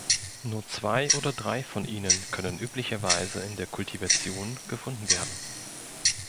Nur zwei oder drei von ihnen können üblicherweise in der Kultivation gefunden werden.